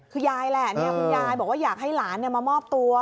คือยายแหละคุณยายบอกว่าอยากให้หลานมามอบตัว